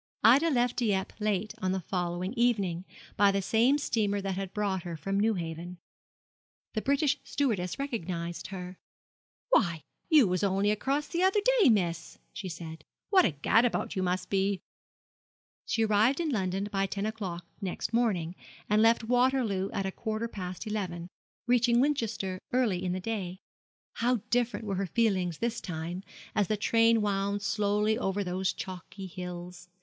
Ida left Dieppe late on the following evening, by the same steamer that had brought her from Newhaven. The British stewardess recognised her. 'Why, you was only across the other day, miss!' she said; 'what a gad about you must be!' She arrived in London by ten o'clock next morning, and left Waterloo at a quarter past eleven, reaching Winchester early in the day. How different were her feelings this time, as the train wound slowly over those chalky hills!